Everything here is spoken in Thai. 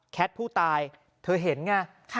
ผู้ตายเธอเห็นไง